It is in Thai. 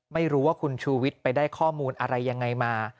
ไม่รู้ว่าคุณชูวิทย์ไปได้ข้อมูลอะไรยังไงมา